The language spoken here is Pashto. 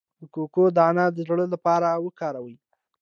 د کوکو دانه د زړه لپاره وکاروئ